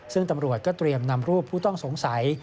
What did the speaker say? ซึ่งตำรวจก็เตรียมนำรูปผู้ต้องสงสัย